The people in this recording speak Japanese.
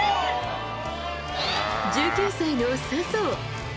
１９歳の笹生。